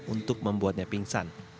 untuk membuatnya pingsan